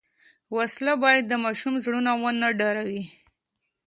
وسله باید د ماشوم زړونه ونه ډاروي